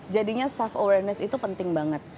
jadinya self awareness itu penting banget